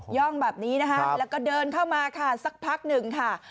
่องแบบนี้นะคะแล้วก็เดินเข้ามาค่ะสักพักหนึ่งค่ะ